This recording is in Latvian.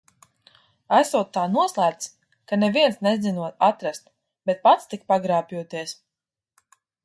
Esot tā noslēpts, ka neviens nezinot atrast, bet pats tik pagrābjoties.